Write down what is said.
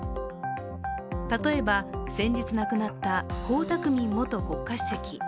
例えば、先日亡くなった江沢民元国家主席。